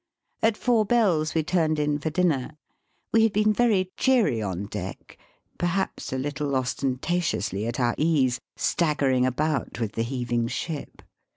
At four bells we turned in for dinner. We had been very cheery on deck, perhaps a little ostentatiously at our ease, staggering about with the heaving ship.